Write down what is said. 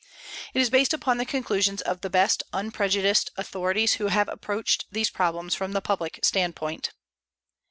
It is based upon the conclusions of the best unprejudiced authorities who have approached these problems from the public standpoint.